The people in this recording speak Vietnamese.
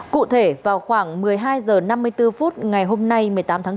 cụ thể vào khoảng một mươi hai h năm mươi bốn phút ngày hôm nay một mươi tám tháng bốn